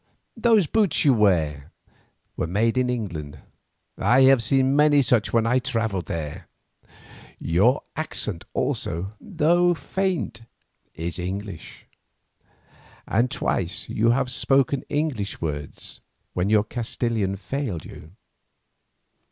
Those boots you wear were made in England. I have seen many such when I travelled there; your accent also though faint is English, and twice you have spoken English words when your Castilian failed you.